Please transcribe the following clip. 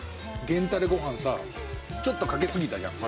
源たれご飯さちょっとかけすぎたじゃん。